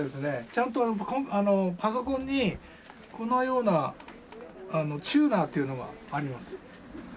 ちゃんとパソコンにこのようなチューナーというのがあります。